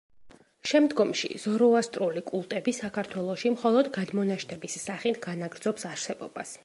შემდგომში ზოროასტრული კულტები საქართველოში მხოლოდ გადმონაშთების სახით განაგრძობს არსებობას.